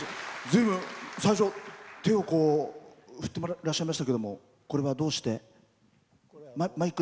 ずいぶん、最初、手を振っていらっしゃいましたけどこれは、どうして？